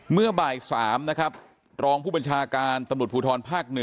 เมื่อบ่าย๓นะครับรองผู้บัญชาการตำรวจภูทรภาค๑